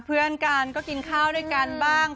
เพื่อนกันก็กินข้าวด้วยกันบ้าง